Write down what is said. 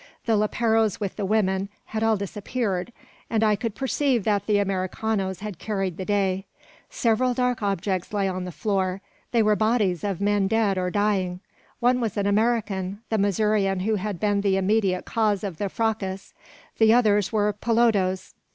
The leperos with the women, had all disappeared, and I could perceive that the Americanos had carried the day. Several dark objects lay along the floor: they were bodies of men dead or dying! One was an American, the Missourian who had been the immediate cause of the fracas; the others were pelodos.